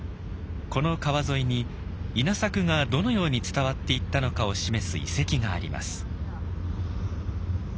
この川沿いに稲作がどのように伝わっていったのかを示す遺跡があります。